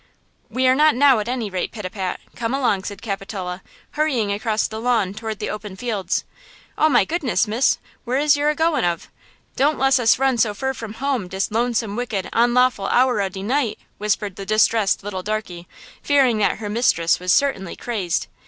"We are not now at any rate, Pitapat! Come along!" said Capitola, hurrying across the lawn toward the open fields. "Oh, my goodness, miss, where is yer a goin' of? Don't less us run so fur from home dis lonesome, wicked, onlawful hour o' de night!" whimpered the distressed little darkey, fearing that her mistress was certainly crazed.